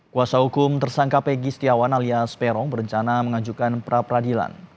kuasa hukum tersangka pegi setiawan alias peron berencana mengajukan pra peradilan